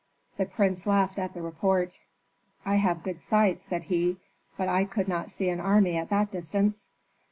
The prince laughed at the report. "I have good sight," said he, "but I could not see an army at that distance."